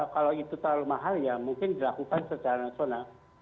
kalau itu terlalu mahal ya mungkin dilakukan secara nasional